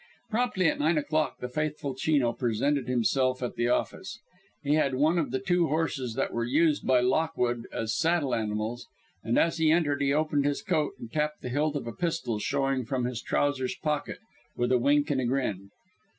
Promptly at nine o'clock the faithful Chino presented himself at the office. He had one of the two horses that were used by Lockwood as saddle animals, and as he entered he opened his coat and tapped the hilt of a pistol showing from his trousers pocket, with a wink and a grin.